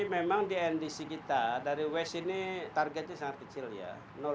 memang di ndc kita dari waste ini targetnya sangat kecil ya